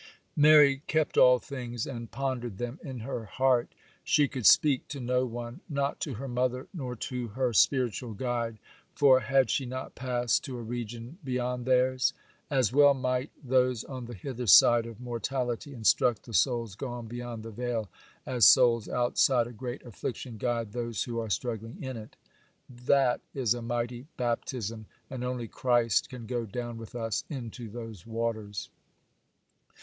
Mary kept all things and pondered them in her heart. She could speak to no one,—not to her mother, nor to her spiritual guide, for had she not passed to a region beyond theirs? As well might those on the hither side of mortality instruct the souls gone beyond the veil as souls outside a great affliction guide those who are struggling in it. That is a mighty baptism, and only Christ can go down with us into those waters.